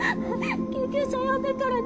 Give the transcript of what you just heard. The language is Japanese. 救急車呼んだからね。